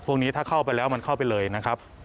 พวกนี้ถ้าเข้าไปแล้วมันเข้าไปเลยนะครับ